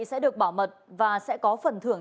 sẽ được bảo mật và sẽ có phần thưởng